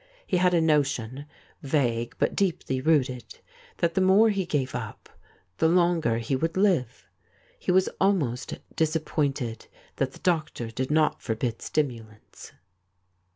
He had a notion — ^vague but deeply rooted — that the more he gave up the longer he would live. He was almost disappointed that the doctor did not forbid stimulants.